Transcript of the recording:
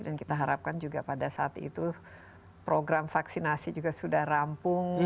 dan kita harapkan juga pada saat itu program vaksinasi juga sudah rampung